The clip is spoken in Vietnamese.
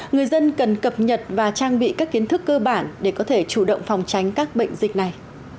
người dân cần cập nhật và trang bị các kiến thức cơ bản để có thể chủ động phòng tránh các bệnh dịch này